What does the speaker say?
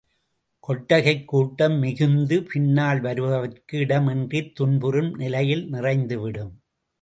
கொட்டகை கூட்டம் மிகுந்து பின்னால் வருபவர்க்கு இடம் இன்றித் துன்புறும் நிலையில் நிறைந்துவிடும்.